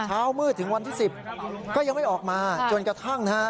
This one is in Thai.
เช้ามืดถึงวันที่๑๐ก็ยังไม่ออกมาจนกระทั่งนะฮะ